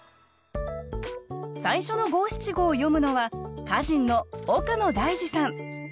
最初の５７５を詠むのは歌人の岡野大嗣さん。